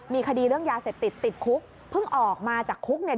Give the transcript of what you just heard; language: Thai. มีคดีเรื่องยาเสพติดติดคุกเพิ่งออกมาจากคุกเนี่ย